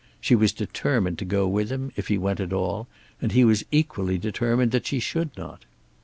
She was determined to go with him, if he went at all, and he was equally determined that she should not.